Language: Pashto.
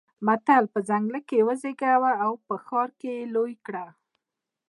متل: په ځنګله کې يې وزېږوه او په ښار کې يې لوی کړه.